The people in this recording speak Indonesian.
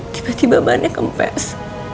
tiba tiba ban nya kempes